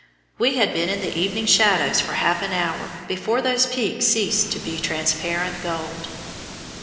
We had been in the evening shadows for half an hour before those peaks ceased to be transparent gold.